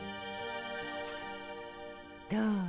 どう？